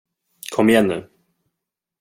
Kom igen nu.